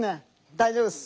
大丈夫っす。